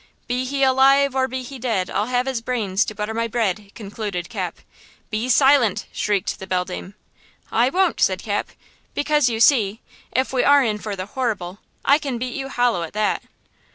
–"'Be he alive or be he dead, I'll have his brains to butter my bread!'" concluded Cap. "Be silent!" shrieked the beldame. "I won't!" said Cap. "Because you see, if we are in for the horrible, I can beat you hollow at that!"